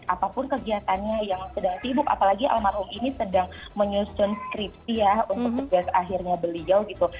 apapun kegiatannya yang sedang sibuk apalagi almarhum ini sedang menyusun skripsi ya untuk tugas akhirnya beliau gitu